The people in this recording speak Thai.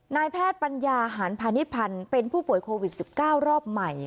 นายแพทย์ปัญญาหารพาณิพันธ์เป็นผู้ป่วยโควิด๑๙รอบใหม่